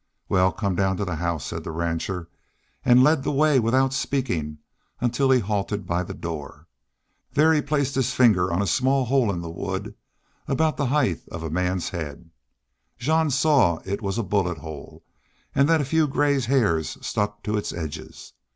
"Wal, come down to the house," said the rancher, and led the way without speaking until he halted by the door. There he placed his finger on a small hole in the wood at about the height of a man's head. Jean saw it was a bullet hole and that a few gray hairs stuck to its edges.